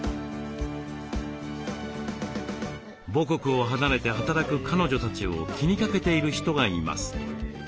母国を離れて働く彼女たちを気にかけている人がいます。